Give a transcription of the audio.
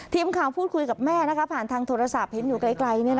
ทีมข่าวพูดคุยกับแม่ผ่านทางโทรศัพท์เห็นอยู่ไกล